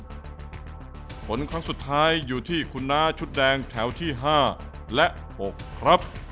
ครั้งสุดท้ายอยู่ที่คุณน้าชุดแดงแถวที่๕และ๖ครับ